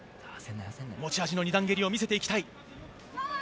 山田、持ち味の２段蹴りを見せていきたい。